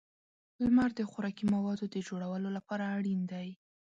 • لمر د خوراکي موادو د جوړولو لپاره اړین دی.